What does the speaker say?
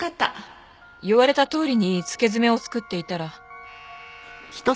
言われたとおりに付け爪を作っていたら。